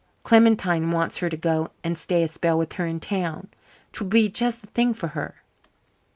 Clementine wants her to go and stay a spell with her in town. 'Twould be just the thing for her."